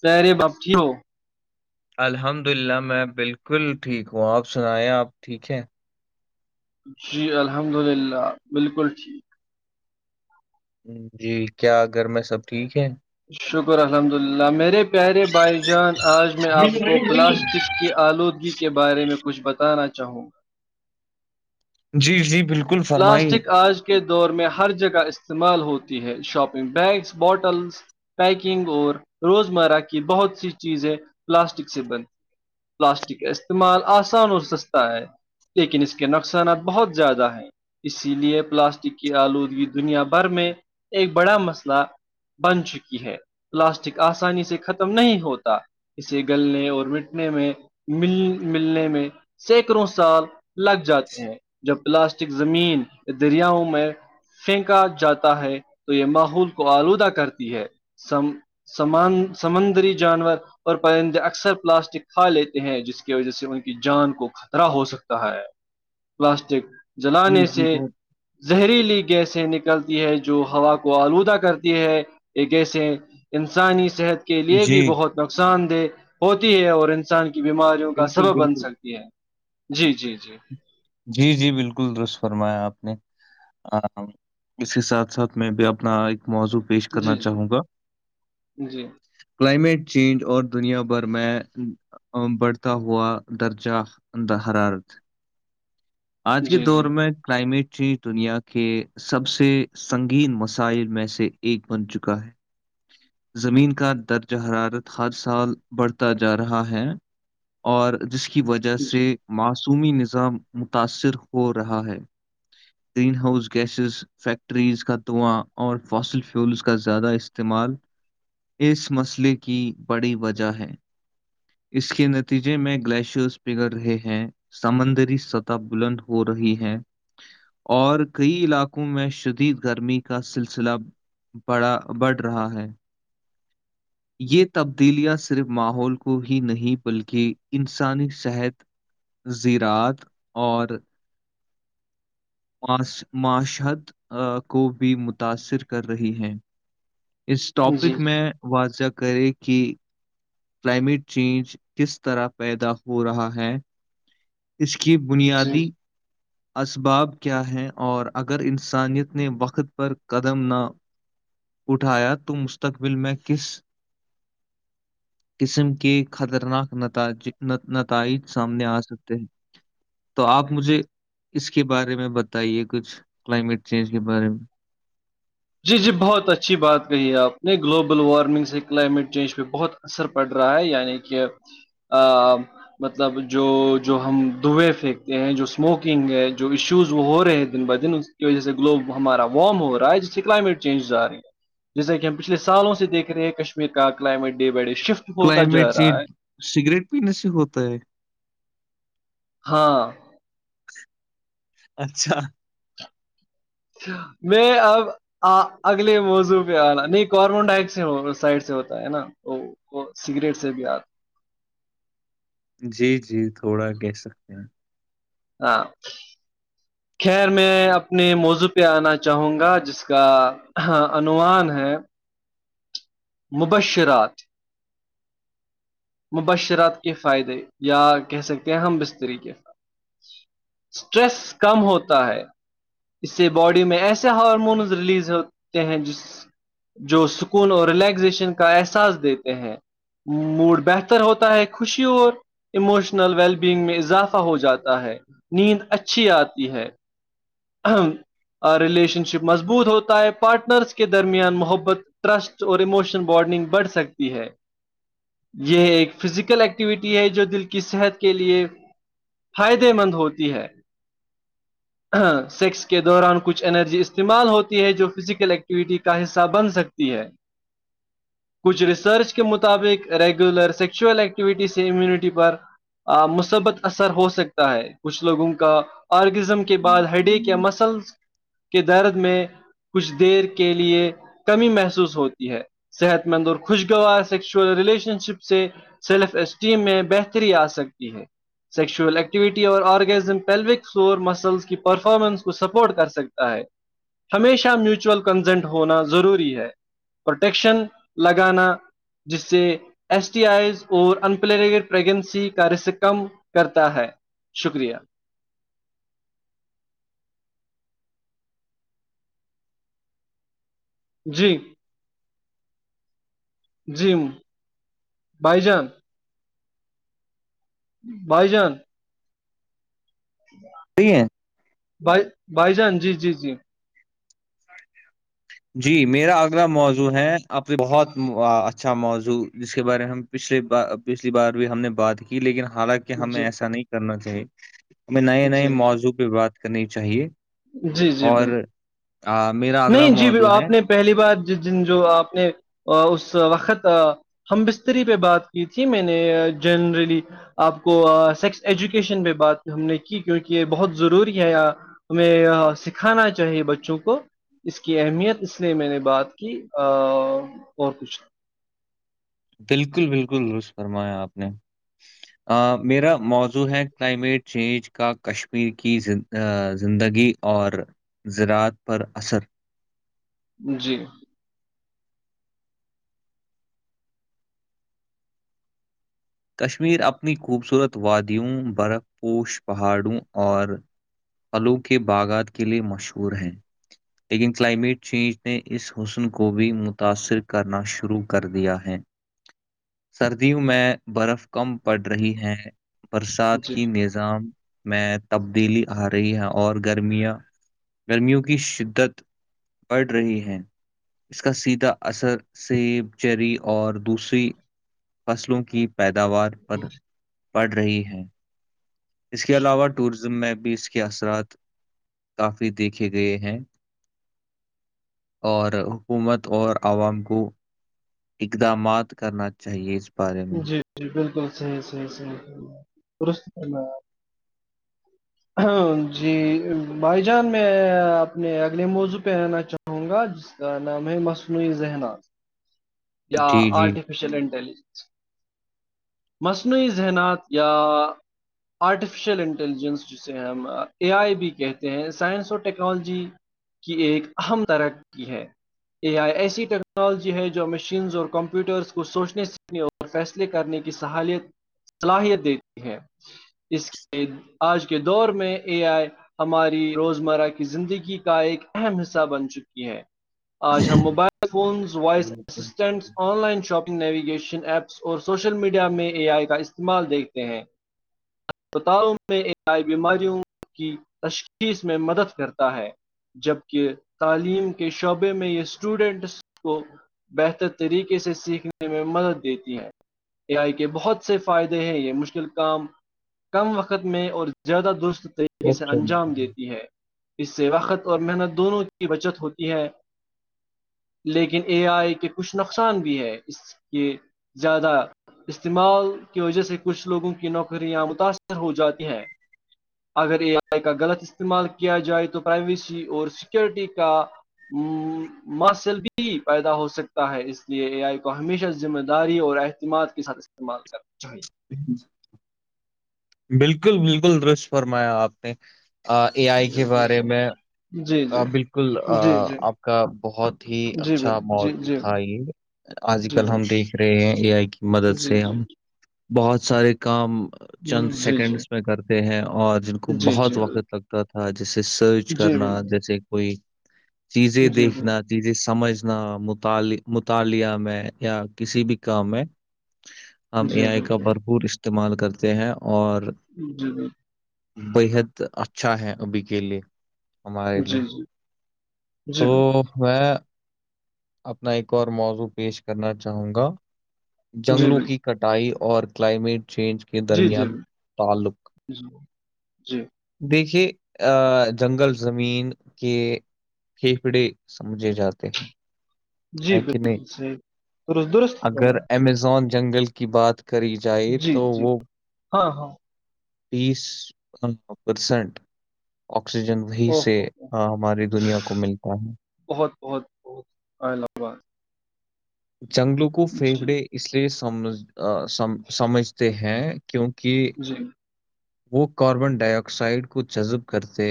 پرے باپچ ہو [inaudible] الحمد للہ میں بالکل ٹھیک ہوں آپ سنایں آپ ٹھیک ہے جی الحمد للہ بالکل ٹھیک جی کیا گھر میں سب ٹھیک ہے شکر الحمد للہ میرے پیارے بھائی جان آج میں آپ کو پلاسٹک کی آلودگی کے بارے میں کچھ بتانا چاہوںا جی جی بالکل فرمائیے پلاسٹک آج کے دور میں ہر جگہ استعمال ہوتی ہے شاپنگ بیگس بوٹلس پیکنگ اور روزمرہ کی بہت سی چیزیں پلاسٹک سے بند پلاسٹک کا استعمال آسان اور سستا ہے لیکن اس کے نقصانات بہت زیادہ ہیں اسی لیے پلاسٹک کی آلودگی دنیا بھر میں ایک بڑا مسئلہ بن چکی ہے پلاسٹک آسانی سے ختم نہیں ہوتا اسے گلنے اور مٹنے میں مل ملنے میں سینکڑوں سال لگ جاتے ہیں جب پلاسٹک زمینیا دریاؤں میں پھینکا جاتا ہے تو یہ ماحول کو آلودہ کرتی ہے سم سمان سمندری جانور اور پرندے اکثر پلاسٹک کھا لیتے ہیں جس کی وجہ سے ان کی جان کو خطرا ہو سکتا ہے پلاسٹک جی جلانے جی سے بہت زہریلی گیسیں نکلتی ہے جو ہوا کو آلودہ کرتی ہے ایک ایسے ہیں انسانی صحت کے لیے جی بھی بہت نقصان دہ ہوتی ہے اور انسان کی بیماریوں کا بالکل سبب بن بالکل سکتی ہے جی جی جی جی جی بالکل درست فرمایا آپ نے ہ اس کے ساتھ ساتھ میں بھی اپنا ایک موضوع پیش جی کرنا چاہوں گا جی جی کلائمیٹ چینج اور دنیا بھر میں بڑھتا ہوا درجہ اندہ حرارت آج کے دور جی میں کلائمیٹ چینج دنیا کے سب سے سنگین مسائل میں سے ایک بن چکا ہے زمین کا درج حرارت ہر سال بڑھتا جا رہا ہے اور جس کی وجہ سے جی ماسک و نظام متاثر ہو رہا ہے گرین ہاؤس گیسز فیکٹریز کا دواں اور فاسل فیولز کا زیادہ استعمال اس مسئلے کی بڑی وجہ ہے اس کے نتیجے میں گلیشیرس بگڑ رہے ہیں سمندری سطح بلند ہو رہی ہے اور کئی علاقوں میں شدید گرمی کا سلسلہ بڑھ رہا ہے یہ تبدیلیاں صرف ماحول کو ہی نہیں بلکہ انسانی صحت زذراعت اور معاشت کو بھی متاثر کر رہی ہیں اس جی ٹاپک میں واضح کرے کہ کلائمیٹ چینج کس طرح پیدا ہو رہا ہے اس کی جی بنیادی اسباب کیا ہیں اور اگر انسانیت نے وقت پر قدم نہ اٹھایا تو مستقبل میں کس قسم کے خطرناک نتج نتائج سامنے آ سکتے ہیں تو آپ مجھے اس کے بارے میں بتائیے کچھ کلائمیٹ چینج کے بارے میں جی جی بہت اچھی بات کہی ہے آپ نے گلوبل وارمنگ سے کلائمیٹ چینج پہ بہت اثر پڑ رہا ہے یعنی کہ آ مطلب جو جو ہم دھوئے پھینکتے ہیں جو اسموکنگ ہے جو ایشوز وہ ہو رہے ہیں دن بہ دن کی وجہ سے گلوب ہمارا وارم ہو رہا ہے ج کلائمیٹ چینجز آ رہی ہیں جیسا کہ ہم پچھے سالوں سے دیک رہے ہیں کشمیر کا climate day by day shift ہوتا کلائمیٹ جا رہا ہے چینج سگریٹ پینے سے ہوتا ہے ہاں اچھا میں اب اگلے موضوع پہ آنا نہیں کاربن ڈائیکسڈ سائڈ سے ہوتا ہے نا وہ وہ سگریٹ سے بھی آتا جی جی تھوڑا کہہ سکتے ہیں ہاں جی خیر میں اپنے موضوع پہ آنا چاہوں گا جس کا انوومان ہے مبشرات مبشرات کے فائدے یا کہہ سکتے ہیں ہم بستری کے فائد اسٹریس کم ہوتا ہے اس سے باڈی میں ایسے ہارمونز ریلیز ہوتے ہیں جس جو سکون اور ریلیکزیشن کا احساس دیتے ہیں موڈ بہتر ہوتا ہے خوشی اور اموشنل ویلبینگ میں اضافہ ہو جاتا ہے نیند اچھی آتی ہے ریلیشن شپ مضبوط ہوتا ہے پارٹنرس کے درمیان محبت ٹرسٹ اور اموشن بارڈنگ بڑھ سکتی ہے یہ ایک فزیکل ایکٹیویٹی ہے جو دل کی صحت کے لیے فائدے مند ہوتی ہے سیکس کے دوران کچھ انرجی استعمال ہوتی ہے جو فزیکل ایکٹیویٹی کا حصہ بن سکتی ہے [inaudible] کچھ ریسرچ کے مطابق ریگولر سیکسوئل ایکٹیویٹی سے امیونٹی پر مثبت اثر ہو سکتا ہے کچھ لوگوں کا آرگزم کا کے بعد ہڈی کےیا مسلس کے درد میں کچھ دیر کے لیئے کمی محسوس ہوتی ہے صحت مند اور خوشگوار سیکچوئل ریلیشن شپ سے سیلف اسٹیم میں بہتری آ سکتی ہے سیکشوئل ایکٹیوٹی اور orgasm pelvic floor muscles performance کو سپورٹ کر سکتا ہے ہمیشہ میوچئل کنزنٹ ہونا ضروری ہے پروٹیکشن لگانا جس سے ایسٹی آئیز اور انپلڈ پرگنسی کا رس کم کرتا ہے شکریہ جی جیم بھائی جان بھائی جان ج نہیںی ہے بھائی بھائی جان جی جی جی جی میرا اگلا موضوع ہے آب بہت اچھا موضوع جس کے بارے میں ہم پچھلی بار پچھلی بار بھی ہم نے بات کی لیکن حالانکہ کہ ہمیں جی ایسا نہیں کرنا چاہیے ہمیں نئے نئے جی موضوع پہ بات کرنی چاہیے جی جی جی اور بالکل میرا آگر نہیں جی موضو بال- آپ نے پہلی بار جن جو آپ نے اس وقت ہم بستری پہ بات کی تھی میں نے جنرلی آپ کو سیکس ایجوکیشن پہ بات ہم نے کی کیونکہ یہ بہت ضروری ہے ہمیں سکھانا چاہیے بچوں کو اس کی اہمیت اس لیے میں نے بات کی اور کچھ بالکل بالکل رس فرمایا آپ نے میرا موضوع ہے کلائمیٹ چینج کا کشمیر کی زندگی اور زراعت پر اثر جی کشمیر اپنی خوبصورت وادیوں برف پوش پہاڑوں اور پلو کے باغات کے لیے مشہور ہیں لیکن کلائمیٹ چینج نے اس حسن کو بھی متاثر کرنا شروع کر دیا ہے سردیوں میں برف کم پڑ رہی ہے برسات جی کی نز ایگزام میں تبدیلی آ رہی ہے اور گرمیاں گرمیوں کی شدت بڑھ رہی ہے اس کا سیدھا اثر سیب چری اور دوسری فصلوں کی پیداوار پر پڑ رہی ہے اس کے علاوہ ٹوریزم میں بھی اس کے اثرات کافی دیکھے گئے ہیں اور حکومت اور عوام کو اقدامات کرنا چاہیے اس بارے میں جی جی بالکل صحیح صحیح صحیح درست کرنا ہاں جی بھائی جان میں اپنے اگلے موضوع پہ آنا چاہوں گ ہ گا جس کا نام ہے مصنوعی ذہنات یا جی جی آرٹیف ایشل انلیجنس مصنوعی ذہنات یا آرٹیفیشل انٹیلیجنس جسے ہم اے آئی بھی کہتے ہیں سائنس اور ٹیکنالوجی کی ایک اہم ترقی ہے اے آئی ایسی ٹیکنالوجی ہے جو مشینس اور کمپیوٹرس کو سوچنے سیکھنے اور فیصلے کرنے کی صلاحیت دیتی ہے اس کے آج کے دور میں اے آئی ہماری روزمرہ کی زندگی کا ایک اہم حصہ بن چکی ہے آج ہم mobile phone voice assistant online shopping navigation apps اور سوشل میڈیا میں اے آئی کا استعمال دیکھتے ہیں اسپتالوں میں آئی بیماریوں کی تشخیص میں مدد کرتا ہے جبک تعلیم کے شعبے میں یہ اسٹوڈنٹس کو بہتر طریقے سے سیکھنے میں مدد دیتی ہیں اے آئی کے بہت سے فائدے ہیں یہ مشکل کام کم وقت میں اور زیادہ درست طریقے سے اوکے انجام دیتی ہے اس سے وقت اور محنت دونوں کی بچت ہوتی ہے لیکن اے آئی کے کچھ نقصان بھی ہے کی زیادہ استعمال کی وجہ سے کچھ لوگوں کی نوکری یاں متاثر ہو جاتی ہیں اگر اے آئی کا غلط استعمال کیا جائے تو پرائیویسی اور سیکورٹی کا ماسلگی پیدا ہو سکتا ہے اس لیے اے آئی کو ہمیشہ ذمہ داری اور اعتماد کے ساتھ استعمال کرنا چاہیے ا بالکل بالکل درش فرمایا آپ نے اے آئی کے جی جی بارے میں جی جی بالکل جی جی آپ کا بہت ہی جی بل اچھا جی موضوع جی تھا یہ آج جی کل بل ہم دیکھ رہے ہیں اے آئی کی مدد جی سے جی ہم بہت سارے کام چند جی جی سیکنڈس میں کرتے ہیں اور جن کو جی بہت جی بل وقت لگتا تھا جیسے سرچ جی کرنا بل جیسے کوئی چیزیں جی بل دیکھنا جی جی سمجھنا مطالع مطالعہ میں یا کسی بھی کام میں ہم جی اے آئی کا بالکل بھرپور استعمال کرتے ہیں اور جی جی بےحد اچھا ہے ابھی کے لیے ہمارے جی جی تو جی بل میں اپنا ایک اور موضوع پیش کرنا چاہوں گا جی جنگلوں بل کی کٹائی اور کلائمیٹ چینج کے جی جی درمیان تعلق بل جی دیکھیے ا جنگل زمین کے پھیپھڑے سمجھے جاتے ہیں جی ہے کہ نہیں بالکل صحیح درست درست اگر فرمایا امیزون جنگل کی بات کری جائے جی تو جی ہاں ہاں تیس پرسنٹ آکسیجن وہی اوہ سے اوہ اوہ، ہماری دنیا کو ملتا ہے بہت بہت بہت ال آباد جنگلوں کو جی پھیپڑے اس لیے سمجھم سمجھتے ہیں کیونکہ جی وہ کاربن ڈائی آکسائڈ کو جذب کرتے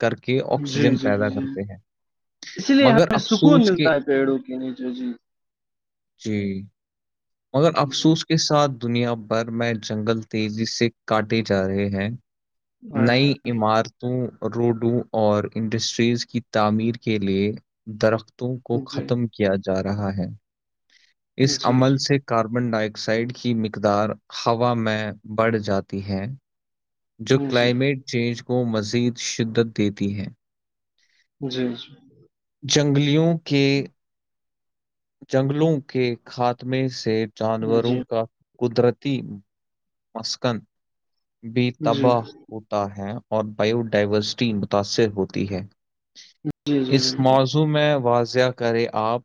کر کے آکسیجن پیدا کرتے ہیں اس لیے مگر ہمیں سکون افسوس ملتا کے ہے پیڑوں کے نیچے جی جی مگر جی افسوس کے ساتھ دنیا بھر میں جنگل تیزی سے کاٹے جا رہے ہیں ہائے نئی ہائے، عمارت تو روڈوں اور انڈسٹریز کی تعمیر کے لیے درختوں کو جی ختم کیا جا رہا ہے اس جی عمل جی سے کاربن ڈائی آکسائڈ کی مقدار ہوا میں بڑھ جاتی ہے جو جی کلائمیٹ چینج کو مزید شدت دیتی ہے جی جی جنگلیوں کے جنگلوں کے خاتمے سے جی جانوروں جی کا قدرتی مثک بی تباہ جی ہوتا ہے اور بایو ڈائیورسٹی متاثر ہوتی ہے جی اس بالکل موضوع میں واضح کرے آپ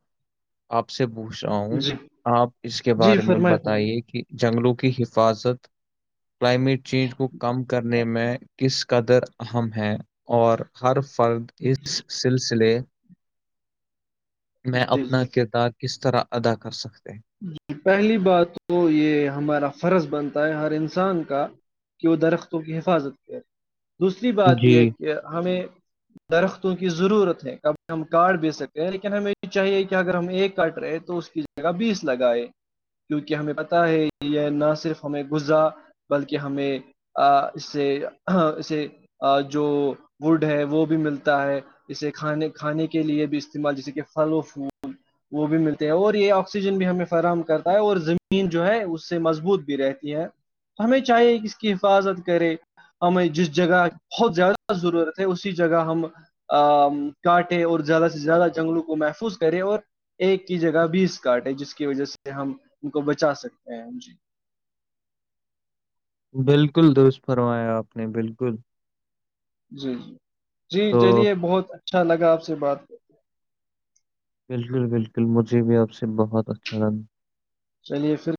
آپ سے پوچھ رہا ہوں جی آپ اس کے جی بارے میں فرمائیں بتائیے فرمائیں کہ جنگلوں کی حفاظت کلائمیٹ چینج کو کم کر نے میں کس قدر اہم ہے اور ہر فرد اس سے سلسلے میں جی اپنا جی کردار کس طرح ادا کر سکتے ہیں ج پہلی بات تو یہ ہمارا فرض بنتا ہے ہر انسان کا کہ وہ درختوں کی حفاظت کر دوسری ہیں بات یہ ہے جی کہ ہمیں درختوں کی ضرورت ہے کبھی ہم کارڈ بھیے سکتے ہیں لیکن ہمیں یہ چاہیے کہ اگر ہم ایک کاٹ رہے تو اس کی جگہ بیس لگاائے کیونکہ ہمیں پتہ ہے یہ نہ صرف ہمیں غذا بلکہ ہمیں اس سے اسے جو ووڈ ہے وہ بھی ملتا ہے اسے کھانے کھانے کے لیے بھی استعمال جیسے کہ پھل و پھول وہ بھی ملتے ہیں اور یہ آکسیجن بھی ہمیں فراہم کرتا ہے اور زمین جو ہے اس سے مضبوط بھی رہتی ہے ہمیں چاہیے کس کی حفاظت کرے ہمیں جس جگہ بہت زیادہ ضرورت ہے اسی جگہ ہم ا کاٹے اور زیادہ سے زیادہ جنگلوں کو محفوظ کرے اور ایک کی جگہ بیس کاٹ ہے جس کی وجہ سے ہم ان کو بچا سکتے ہیں جی بالکل دوست فرمایا آپ نے بالکل جی جی جی تو چلیے بہت اچھا لگا آپ سے بات کر بالکل بالکل مجھے بھی آپ سے بہت اچھا لگ چلیے پھر